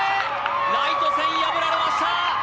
ライト線破られました